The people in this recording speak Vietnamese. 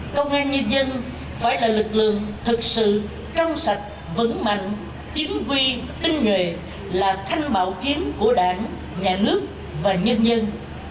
công an nhân dân phải là lực lượng thực sự trong sạch vững mạnh chính quy tinh nghệ là thanh bảo kiến của đảng nhà nước và nhân dân